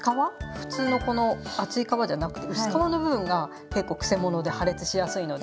普通のこの厚い皮じゃなくて薄皮の部分が結構くせ者で破裂しやすいので。